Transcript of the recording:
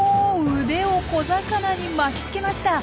腕を小魚に巻きつけました。